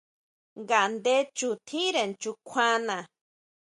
Ngaʼndé chu tjínre nyukjuana.